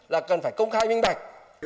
là cần phải công khai minh tế